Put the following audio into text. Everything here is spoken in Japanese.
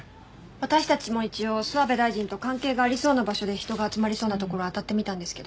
私たちも一応諏訪部大臣と関係がありそうな場所で人が集まりそうな所あたってみたんですけど